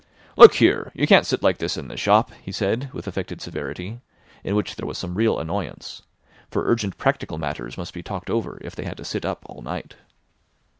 "Look here! You can't sit like this in the shop," he said with affected severity, in which there was some real annoyance; for urgent practical matters must be talked over if they had to sit up all night.